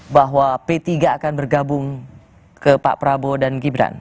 bahwa p tiga akan bergabung ke pak prabowo dan gibran